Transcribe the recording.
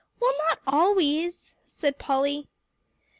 "Well, not always," said Polly.